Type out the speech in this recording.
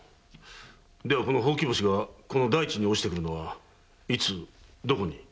ではほうき星がこの大地に落ちてくるのはいつどこに？